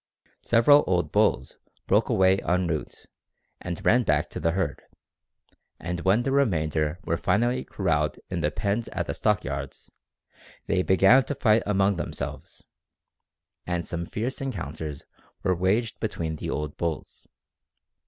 Several old bulls broke away en route and ran back to the herd, and when the remainder were finally corraled in the pens at the stock yards "they began to fight among themselves, and some fierce encounters were waged between the old bulls.